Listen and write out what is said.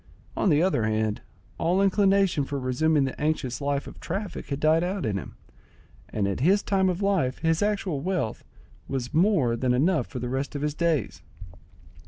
On the other hand, all inclination for resuming the anxious life of traffic had died out in him, and at his time of life his actual wealth was more than enough for the rest of his days.